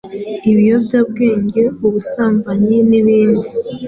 ibiyobyabwenge, ubusambanyi n’ibindi.